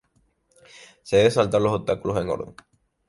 Se deben saltar los obstáculos en orden.